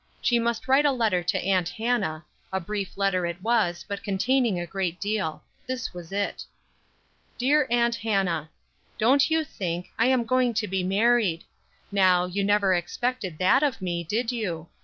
She must write a letter to Aunt Hannah; a brief letter it was, but containing a great deal. This was it: "DEAR AUNT HANNAH: "Don't you think, I am going to be married! Now, you never expected that of me, did you?